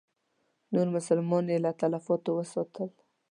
نور مسلمانان یې له تلفاتو وساتل.